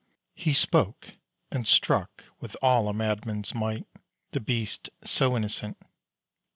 He spoke, and struck, with all a madman's might, The beast so innocent.